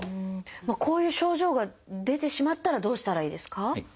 こういう症状が出てしまったらどうしたらいいですか？